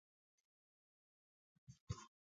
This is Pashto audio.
د سوداګر رامنځته کیدل د ټولنیز کار دریم ویش شو.